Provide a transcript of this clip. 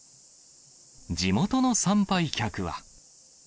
地元の参拝客は。